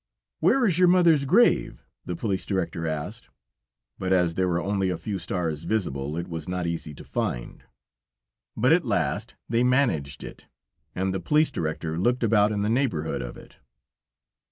"Where is your mother's grave?" the police director asked; but as there were only a few stars visible, it was not easy to find it, but at last they managed it, and the police director looked about in the neighborhood of it.